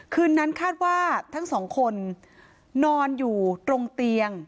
คืนนั้นคาดว่าทั้งสองคนนอนอยู่ตรงเตียง